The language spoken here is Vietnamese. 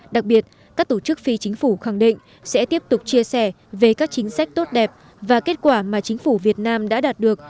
đặc biệt các tổ chức phi chính phủ khẳng định sẽ tiếp tục chia sẻ về các chính sách tốt đẹp và kết quả mà chính phủ việt nam đã đạt được